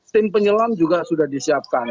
tim penyelam juga sudah disiapkan